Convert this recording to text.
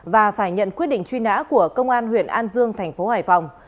và phải nhận quyết định truy nã của công an huyện an dương thành phố hải phòng